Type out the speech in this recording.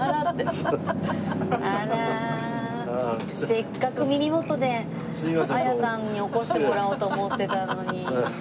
せっかく耳元で亜矢さんに起こしてもらおうと思ってたのに。